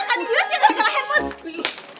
kak dius ya gara gara handphone